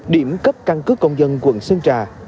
điểm cấp căn cứ công dân quận sơn trà